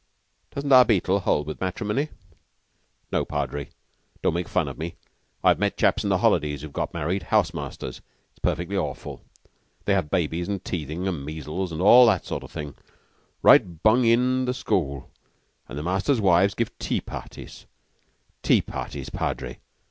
"Doesn't our Beetle hold with matrimony?" "No, Padre; don't make fun of me. I've met chaps in the holidays who've got married house masters. It's perfectly awful! They have babies and teething and measles and all that sort of thing right bung in the school; and the masters' wives give tea parties tea parties, Padre!